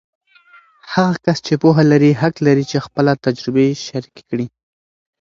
هغه کس چې پوهه لري، حق لري چې خپله تجربې شریکې کړي.